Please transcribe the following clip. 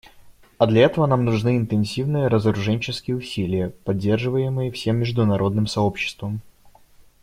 А для этого нам нужны интенсивные разоруженческие усилия, поддерживаемые всем международным сообществом.